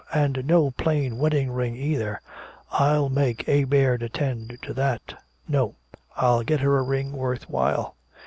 "And no plain wedding ring either. I'll make A. Baird attend to that. No, I'll get her a ring worth while."